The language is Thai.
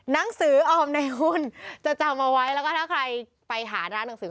หนังสือออมในหุ้นจะจำเอาไว้แล้วก็ถ้าใครไปหาร้านหนังสือ